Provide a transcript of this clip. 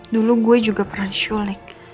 dulu gue juga pernah sholek